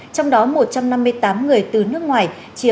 trong đó một trăm năm mươi tám người từ nước ngoài chiếm